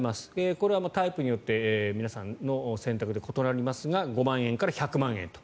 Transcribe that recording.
これはタイプによって皆さんの選択で異なりますが５万円から１００万円と。